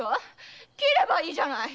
斬ればいいじゃない！